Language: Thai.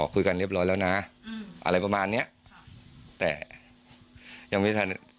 คุยกันเรียบร้อยแล้วนะอะไรประมาณเนี้ยค่ะแต่ยังไม่ทัน